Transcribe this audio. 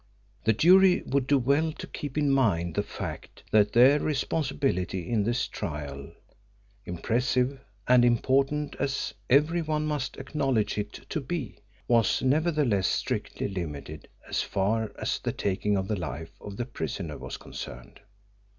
The jury would do well to keep in mind the fact that their responsibility in this trial, impressive and important as every one must acknowledge it to be, was nevertheless strictly limited as far as the taking of the life of the prisoner was concerned.